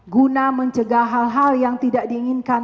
guna mencegah hal hal yang tidak diinginkan